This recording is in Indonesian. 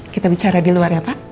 kita bicara di luar ya pak